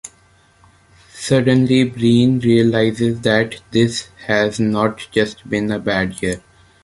Suddenly Breen realizes that this has not just been a bad year.